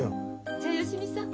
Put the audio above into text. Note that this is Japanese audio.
じゃ芳美さん。